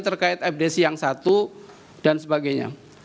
terkait abdesi yang satu dan sebagainya